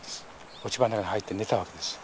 落ち葉の中に入って寝たわけです。